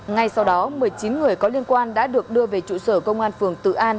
ngay sau đó một mươi chín người có liên quan đã được đưa về trụ sở công an phường tự an